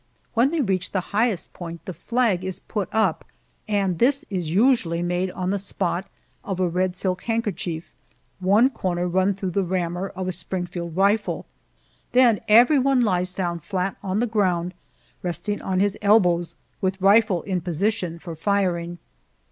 When they reach the highest point the flag is put up, and this is usually made on the spot, of a red silk handkerchief, one corner run through the rammer of a Springfield rifle. Then everyone lies down flat on the ground, resting on his elbows, with rifle in position for firing.